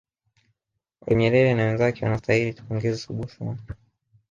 mwalimu nyerere na wenzake wanastahili pongezi kubwa sana